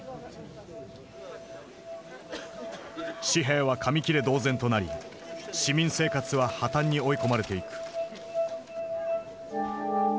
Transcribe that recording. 紙幣は紙切れ同然となり市民生活は破綻に追い込まれていく。